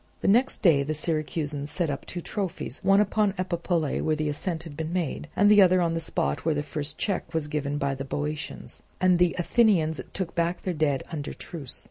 The next day the Syracusans set up two trophies, one upon Epipolae where the ascent had been made, and the other on the spot where the first check was given by the Boeotians; and the Athenians took back their dead under truce.